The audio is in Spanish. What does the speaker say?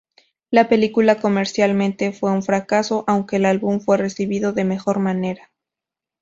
La película comercialmente fue un fracaso, aunque el álbum fue recibido de mejor manera.